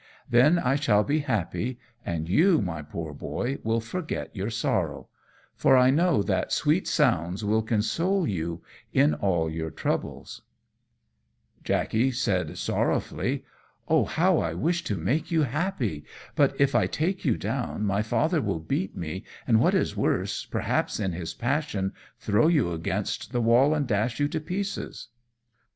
Then I shall be happy, and you, my poor Boy, will forget your sorrow, for I know that sweet sounds will console you in all your troubles." [Illustration: The neglected Fiddle repining.] Jackey said, sorrowfully, "Oh, how I wish to make you happy! But if I take you down, my father will beat me, and, what is worse, perhaps, in his passion, throw you against the wall, and dash you to pieces."